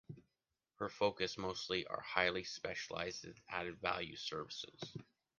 Her focus mostly are highly specialized added value services.